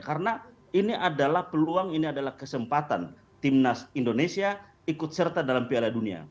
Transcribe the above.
karena ini adalah peluang ini adalah kesempatan timnas indonesia ikut serta dalam piala dunia